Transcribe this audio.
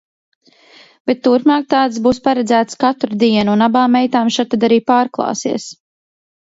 Bet turpmāk tādas būs paredzētas katru dienu, un abām meitām šad tad arī pārklāsies.